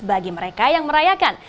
bagi mereka yang merayakan